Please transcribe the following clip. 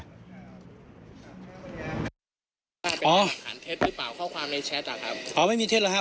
เออเข้าข้อความในแชตอะครับเออไม่มีเห็นอ่ะครับ